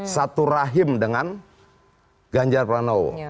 satu rahim dengan ganjar pranowo